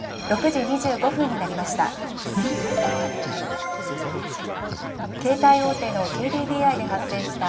６時２５分になりました。